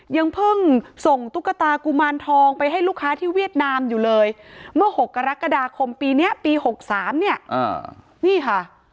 ยังเพิ่งส่งตุ๊กตากุมารทองไปให้ลูกค้าที่เวียดนามอยู่เลยเมื่อ๖กรกฎาคมปีนี้ปี๖๓เนี่ยนี่ค่ะ